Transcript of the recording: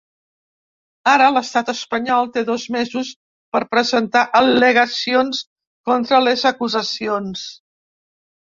Ara l’estat espanyol té dos mesos per presentar al·legacions contra les acusacions.